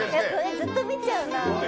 ずっと見ちゃうな。